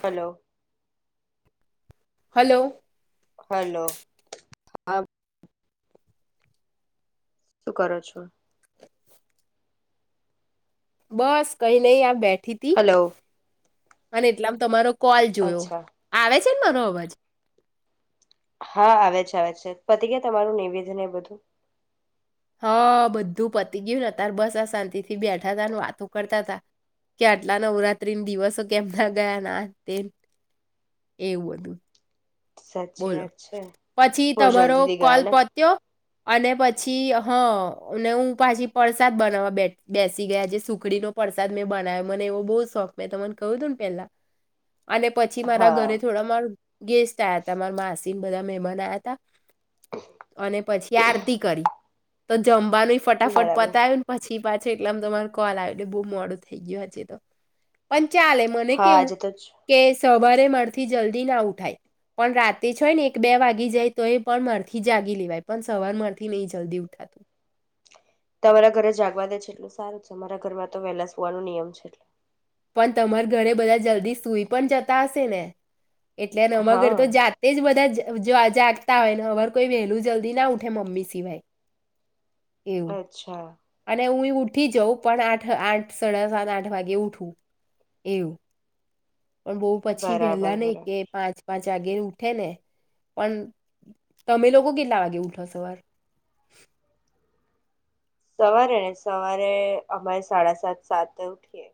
Hello hello hello હા શું કરો છો. બસ કઈ નહી આપ બેઠ હલો [unintelligible] અને એટલા તમારો કોલ જોયો અચ્છા આવે [unintelligible] હા આવે છે, આવે છે, પતિ ગયા તમારું નિવેદન એ બધું. હા બધું પતી ગયું ને અત્યારે બસ આ શાંતિ થી બેઠા ત વાતો કરતા હતાા કે આટલા નવરાત્રી દિવસો કેમ ના ગયા ના તેમ એવું બધું. સાચી બોલો વાત છે પછી બહુ તમારો જલ્દીથી કોલ ગયા ને પત્યો. અને પછી હા હું પાછી પરસાદ [unintelligible] બેસી ગયા જે સુખડીનો પરસાદ મેં બનાવ્યો મને એવો બહ શોખ મેં મને કહ્યું તું ને પેલા અને પછી મારા હા ઘરે થોડા માર ગેસ્ટ આવ્યા હતા. સીન બધા મમાન આયા હતા અને પછી આરતી કરી તો જમ બા ન ફટાફટ બરાબર પતાય પછી પાછો એટલામાં તમારો કોલ આઈ ગયો. બહુ મોડું થઈ ગયું હજી તો પણ ચાલે મને હા કેવું આજે તો કે સવારે મારાથી જલ્દી ના ઉઠાય પણ રાતે છય ને એક બે વાગી જાય તો એ પણ મારથી જાગી લેવાય પણ સવાર મારથી નહી જલ્દી ઉઠાતું. તમારા ઘરે જાગવા દે છે એટલું સારું છે અરા ઘરમાં તો વહેલા સુવાનું નિયમ છે. પણ તમારા ઘરે બધા જલ્દી સુઈ પણ જતા હશે ને. એટલે અમારા ઘર હા તો જાતે જ બધાજ જો આ જાગતા હોય ને અગર કોઈ વહેહલું જલ્દી ના ઉઠે મમ્મી સિવાય. અચ્છા. ને હુંય ઉઠી જાઉં પણ આઠ આઠ સાડા સાત આઠ વાગે ઉઠવું એવું. પણ બહુ પછી બરાબર વહેલા નહી બરાબર કે પાંચ પાંચ વાગે ઉઠે ને પણ તમે લોકો કેટલા વાગે ઉઠો સવાર? સવારે ને સવારે અમારે સાડા સાત સાત ઉઠીએ.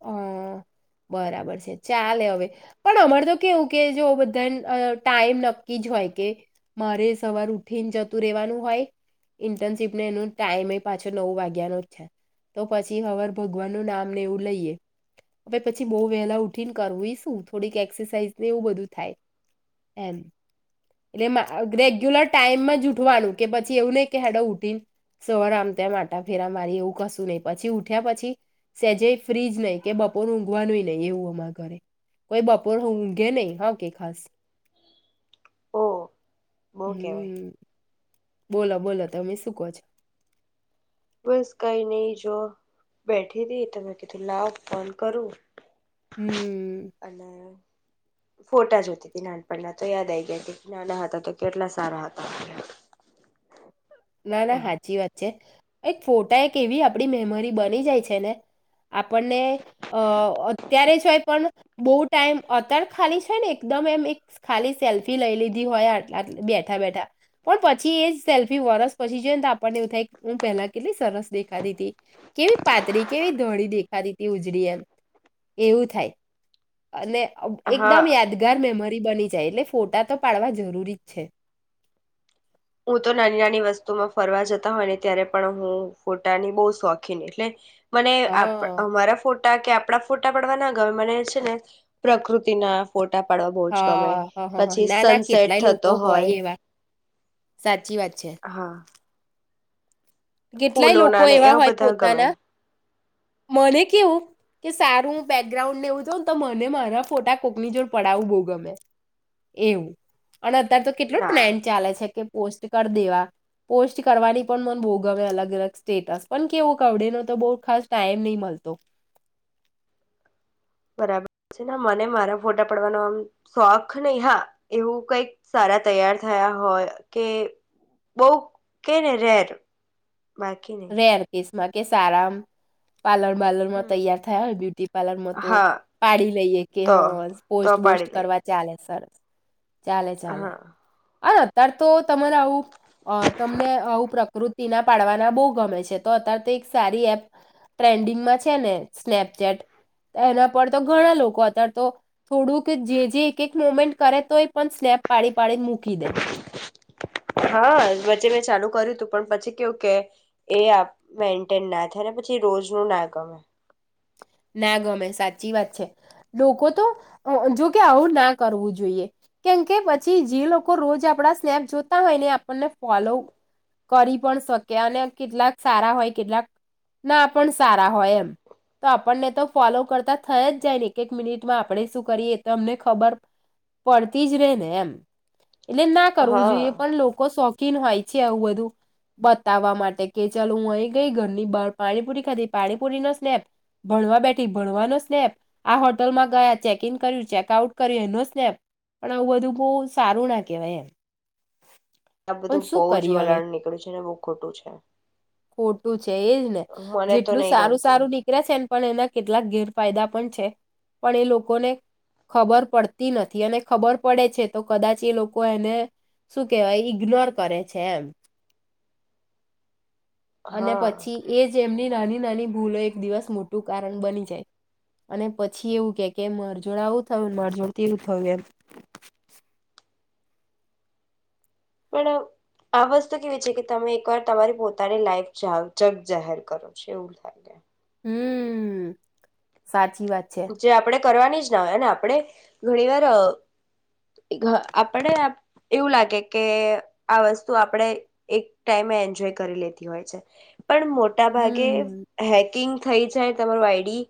હ. બરાબર છે ચાલે હવે પણ અમારે તો કેવું કે જો બધા ટાઈમ નક્કી જ હોય કે મારે સવાર ઉઠીને જતું રેવાનું હોય ઇન્ટર્નશીપને એનું ટાઈમ પાછો નવ વાગ્યાનો જ છે તો પછી હર ભગવાન નું નામ ને એવું લઈએ. હવે પછી બઉુ વહેલા ઉઠીને કરવું શું થોડીક એક્સરસાઈઝ એવું બધું થાય એમ એટલે એમાં રેગ્યુલર ટાઈમમાં જ ઉઠવાનું કે પછી એવું નહી કે હેડો ઉઠીને સવાર આમ તેમ આટા ફેરા મારી એવું કશું નહી પછી ઉઠ્યા પછી સેજે ફ્રીજ નહી કે બપો પોર ઊંઘવાનુંય નહી એવું અમાર ઘરે કોઈ બપોર ઊંઘે નહી હ કે ખાસ ઓ બહુ કેવાય હમ્મ. બોલો બોલો તમે શું કહો છો? બસ કઈ નહી જો બેઠી હતી તો મેં કીડું લાવ ફોન કરું. હમ અને ફોટા જોતી હતી નાનપણના તો યાદ આ ગયા ત નાના હતા તો કેટલા સારા હતા. ના ના એમ હાચી વાત છે. એક ફોટા એક એવી આપડી મેમરી બની જાય છે ને આપણને અ અત્યારે છે પણ જ ટાઈમ અત્યારે ખાલી છે ને એકદમ એમ એક ખાલી સેલ્ફી લઈ લીધી હોય બેઠા બેઠા પણ પછી એ જ સેલ્ફી વરસ પછી જોઈને તો આપણને એવું થાય હું પહેલા કેટલી સરસ દેખાતી હતી કેવી પાતળી, કેવી ધોળી દેખાતી હતી, ઉજળી એમ એવું થાય. અને એકદમ હા યાદગાર મેમરી બની જાય એટલે ફોટા તો પાડવા જરૂરી જ છે. હું તો નાની નાની વસ્તુમાં ફરવા જતા હોય ને ત્યારે પણ હું ફોટાની બહુ શોખીન એટલે મને આપ હા અમારા ફોટ કે આપડા ફોટા પડવા ના ગમે મને છે ને પ્રકૃતિના ફોટા ટા પાડવા બહ જ ગમે, હા હા હા હા પછી સનસેટ થતો હોય. સાચ ચી વાત છે. હા કેટલાય લોકો ફૂલોના ને એવા હોય બધા ગમે પોતાના મને કેવું કે સારું બેકગ્રાઉન્ડને એવું જોઉં ને તો મને મારા ફોટા કોકની જોડ પડાવું બહુ ગમે એવું. અને અત્યારે તો કેટલું ના પ્લેન ચાલે છે કે પોસ્ટ કર દેવા પોસ્ટ કરવાની પણ મન બો ગ ગમે અલગ-અલગ સ્ટેટસ પણ કેવું આવડે ન તો બો ખાસ ટાઈમ નહી મલતો. બરાબર છે મને મારા ફોટા પડવાનો આમ શોખ નહ હા એવું કઈક સારા તૈયાર થયા હોય કે બહ કેય ને રેર બાકી નય. માં કે સારામ પાર્લર બાર્લરમાં હમ તૈયાર થયા હોય, બ્યુટી પાર્લરમાં તો હા પાડી લઈએ, કે હ તો તો પોસ્ટ બોસ્ટ પાડી દે કરવા ચાલે સર ચાલે ચાલે. હા આ અત્યાર તો, તમારે આવું અ તમને આવું પ્રાકૃત તિ ના પાડવાના બો ગમે છે. તો અત્યારે તો એક સારી એપ ટ્રેન્ડિંગમાં છે ને, સ્નેપચેટ એના પર તો ઘણા લોકો અત્યારે તો થોડુંક જે જે એક એક મોમેન્ટ કરે તો પણ સ્નેપ પાડી પાડીને મૂકી દે [inaudible] હા! વચ્ચે મેં ચાલુ કરેલુ હતું. પણ પછી કેવું કે, એ મેન્ટેન ના થાય ને પછી રોજ નું ના ગમે. ના ગમે સાચી વાત છે. લોકો તો અ જો કે આવું ના કરવું જોઈએ. કેમકે પછી જે લોકો રોજ આપડા સ્નેપ જોતા હોય ને, આપણને ફોલો કરી પણ શકે, અને કેટલાક સારા હોય, કેટલાક ના પણ સારા હોય એમ. તો આપણને તો ફોલો કરતા થય જ જાય ને, એક એક મિનિટમાં આપણે શું કરીએ તો, અમને ખબર પડતી જ રેય ને એમ. એટલે ના કરવું હા જોઈએ પણ લોકો શોખ કીન હોય છે. આવું બધું બતાવવા માટે કે, ચાલ હું અહી ગઈ ઘરની બહાર પાણીપુરી ખાધી, પાણીપુરી નો સ્નેપ. ભણવા બેઠી ભણવાનો સ્નેપ, આ હોટલમાં ગયા ચેક ઈન કર્યું ચેક આઉટ કર્યું એનો સ્નેપ, પણ આવું બધું બહું સારું ના કહેવાય એમ. આ પણ બધું બહુ શું જ કરીએ હવે વલણ નીકળ્યું છે. અને બહુ ખોટું છે. તે એજ ને, મને તો જેટલું નહી સારું ગમતું સારું નિકળે છે ન પણ એના કેટલાક ગેરફાયદા પણ છે. પણ એ લોકોને ખબર પડતી નથી, અને ખબર પડે છે, તો કદાચ એ લોકો એને શું કેવાય? ઇગ્નોર કરે છે એમ. અને હા પછી એ જ એમની નાની નાની ભૂલો એક દિવસ મોટું કારણ બની જાય. અને પછી એવું કેય કે માર જોડે આવું થયું માર જોડે તેવું થયું એમ. પણ આ વસ્તુ કેવી છે કે, તમે એકવાર તમારી પોતાની લાઈફ જગ જાહેર કરો છો એવું લાગે. હમ સારુ ચી વાત છે. જે આપણે કરવાની જ ના હોય, અને આપણે ઘણી વાર અ આપણે એવું લાગે કે, આ વસ્તુ આપણે એક ટાઈમે એન્જોય કરી લેતી હોય છે. પણ મોટા ભાગે હમ હેક કિંગ થઈ જાય તમારું આઈડી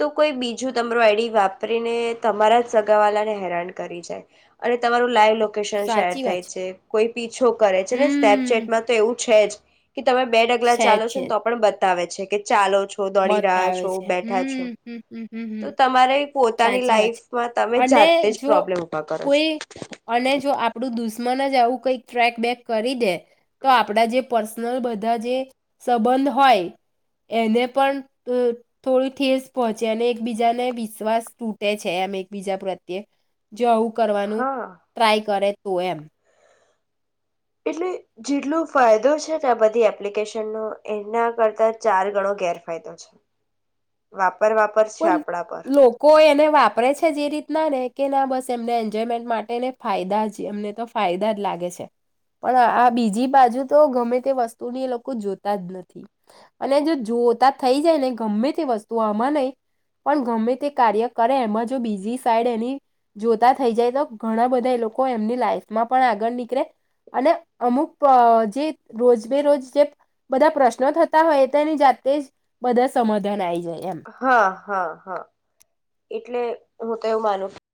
તો કોઈ બીજું તમારું આઈડી વાપરીને, તમારા સગાવાલા ને હેરાન કરી જાય. અને તમારું લાઈ લોકેશન શેર સાચી થાય વાત છે કોઈ છો કરે છે ને, હમ સ્નેપચેટમાં તો એવું છે જ. કે તમે બે ડગલા છે ચાલો છો છે તો પણ બત તાવે છે કે ચાલો છો, દોડી રહ્યા બતાવે છો, છે બેઠા છો? હમ હમ હમ હમ હમ તો તમારે પોતાની સાચી વાત છે લાઈફમાં, તમે અને જાતે જ જો પ્રોબ્લેમ ઊભા કરો છો? કોઈ અને જો આપણું દુશ્મન જ આવું કઈક ટ્રેક બેક કરી દે. તો આપણા જે પર્સ ન બધા જે સંબંધ હોય એને પણ થોડી ઠેસ પહોંચે અને એકબીજાને વિશ્વાસ તૂટે છે, આમ એકબીજા પ્રત્યે જો આવું કરવાનું હા ટ્રાય કરે. શું એમ. એટલે જેટલો ફાયદો છે ને આ બધી એપ્લિકેશન નો, એના કરતા ચાર ગણો ગેરફાયદો છે. વાપર છે પણ આપણા પર લોકો એને વાપ પરે છે જે રીતના ને કે ના, બસ એમને એન્જોયમેન્ટ માટેને ફાયદા જ એમને તો ફાયદા જ લાગે છે, પણ આ બીજી બાજુ તો ગમે તે વસ્તુની એ લોકો જોતા જ નથી, અને જો જોતા થઈ જાય ને ગમે તે વસ્તુ આમાં નહીં. પણ ગમે તે કાર્ય કરે, એમાં જો બીજી સાઈડ એની જોતા થઈ જાય તો ઘણા બધા એ લોકો એમની લાઈફમાં પણ આગળ નીકળે, અને અમુક જે રોજ બેરોજ જે બધા પ્રશ્નો થતા હોય તે એની જાતે જ બધા સમાધાન આઈ જાય. એમ હા. હા હા, એટલે હું તો એવું માનું છું.